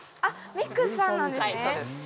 ミックスさんなんですね